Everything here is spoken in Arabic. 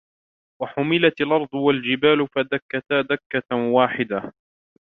وَحُمِلَتِ الْأَرْضُ وَالْجِبَالُ فَدُكَّتَا دَكَّةً وَاحِدَةً